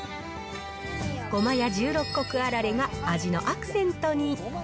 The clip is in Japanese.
ごまや十六穀あられが味のアクセントに。